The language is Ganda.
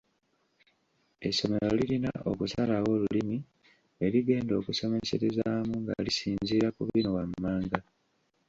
Essomero lirina okusalawo olulimi mwe ligenda okusomesereza nga lisinziira ku bino wammanga